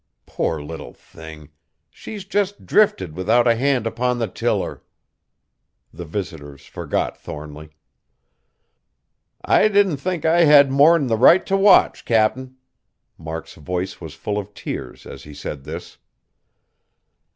Poor little thing! she's jest drifted without a hand upon the tiller." The visitors forgot Thornly. "I didn't think I had more'n the right t' watch, Cap'n." Mark's voice was full of tears as he said this.